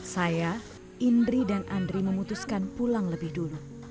saya indri dan andri memutuskan pulang lebih dulu